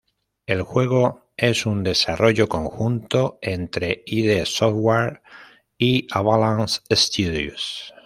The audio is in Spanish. El juego es un desarrollo conjunto entre id Software y Avalanche Studios.